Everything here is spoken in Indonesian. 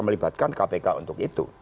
melibatkan kpk untuk itu